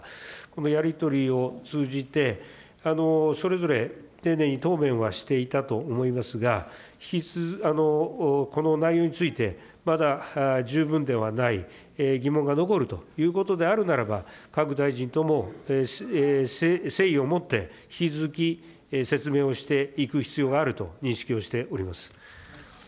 このやり取りを通じて、それぞれ丁寧に答弁はしていたと思いますが、この内容について、まだ十分ではない、疑問が残るということであるならば、各大臣とも誠意を持って、引き続き説明をしていく必要があると認識をしております。